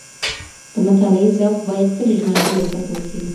د مطالعې ذوق باید تل ژوندی وساتل سي.